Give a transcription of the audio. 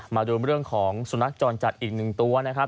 มาดูเรื่องของสุนัขจรจัดอีกหนึ่งตัวนะครับ